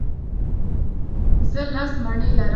زه لس مڼې لرم.